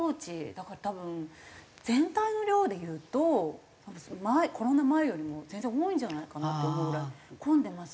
だから多分全体の量でいうとコロナ前よりも全然多いんじゃないかなって思うぐらい混んでますよね。